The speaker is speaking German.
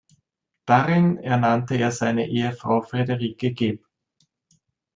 Darin ernannte er seine Ehefrau Friederike geb.